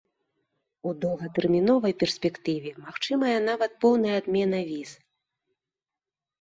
У доўгатэрміновай перспектыве магчымая нават поўная адмена віз.